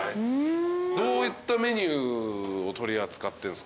どういったメニューを取り扱ってるんですか？